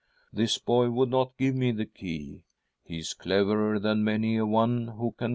This boy would not give me the key. He's cleverer than many a one who can walk